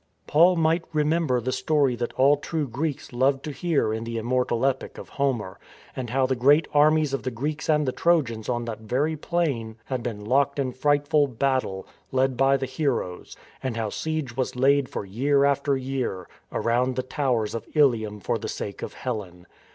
Paul might remember ^ the story that all true Greeks loved to hear in the immortal epic of Homer, of how the great armies of the Greeks and the Trojans on that very plain had been locked in frightful battle, led by the heroes; and how siege was laid for year after year, around the towers of Ilium for the sake of Helen.